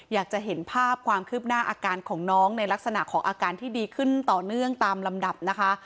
อยากจะเห็นภาพความคืบหน้าอาการของน้องในลักษณะของอาการที่ดีขึ้นต่อเนื่องตามลำดับนะคะ